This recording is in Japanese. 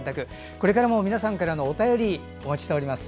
これからも皆さんからのお便りをお待ちしております。